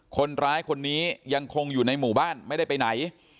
คนร้ายคนนี้ยังคงอยู่ในหมู่บ้านไม่ได้ไปไหน